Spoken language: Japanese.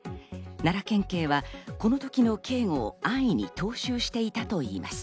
奈良県警はこの時の警護を安易に踏襲していたといいます。